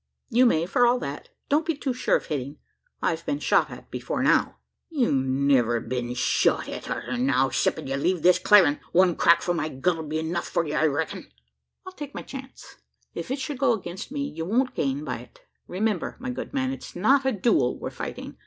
"You may, for all that. Don't be too sure of hitting I've been shot at before now." "You'll niver be shot at arter now, 'ceptin' ye leave this clarin'. One crack from my gun'll be enuf for ye, I reck'n." "I'll take my chance. If it should go against me, you won't gain by it. Remember, my good man, it's not a duel we're fighting!